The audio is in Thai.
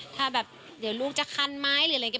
ถ้าแบบเดี๋ยวลูกจะคันไหมหรืออะไร